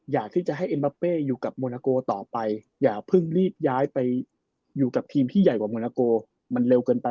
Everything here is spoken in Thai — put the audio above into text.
อยากที่จะให้อยู่กับต่อไปอย่าเพิ่งรีบย้ายไปอยู่กับทีมที่ใหญ่กว่ามันเร็วเกินไป